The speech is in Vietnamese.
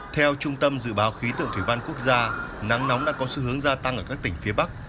theo trung tâm dự báo khí tượng thủy văn quốc gia nắng nóng đã có xu hướng gia tăng ở các tỉnh phía bắc